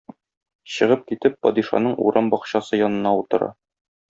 Чыгып китеп падишаның урам бакчасы янына утыра.